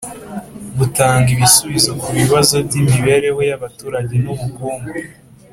butanga ibisubizo ku bibazo by imibereho y abaturage n ubukungu